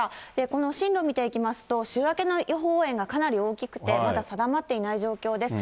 この進路見ていきますと、週明けの予報円がかなり大きくて、まだ定まっていない状況です。